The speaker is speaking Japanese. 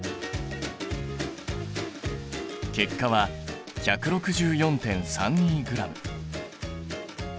結果は１６４．３２ｇ。